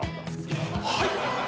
はい！